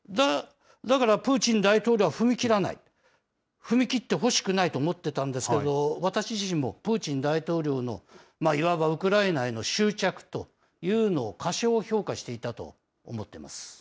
だからプーチン大統領は踏み切らない、踏み切ってほしくないと思ってたんですけど、私自身も、プーチン大統領のいわばウクライナへの執着というのを、過小評価していたと思っています。